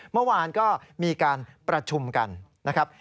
เมื่อวานก็มีการประชุมกันนะครับ